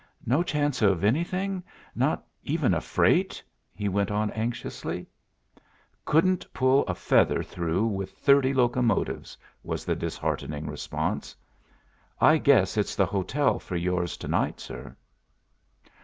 "No chance of anything not even a freight?" he went on anxiously. "Couldn't pull a feather through with thirty locomotives," was the disheartening response. "I guess it's the hotel for yours to night, sir."